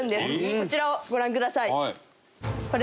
こちらをご覧ください。